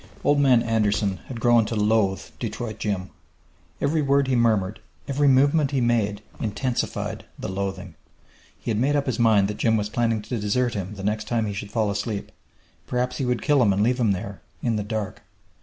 Old Man Anderson had grown to loathe Detroit Jim. Every word he murmured, every movement he made, intensified the loathing. He had made up his mind that Jim was planning to desert him the next time he should fall asleep; perhaps would kill him and leave him there in the dark.